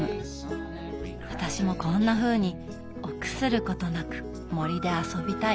私もこんなふうに臆することなく森で遊びたい。